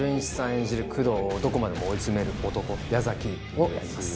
演じる工藤をどこまでも追い詰める男矢崎をやります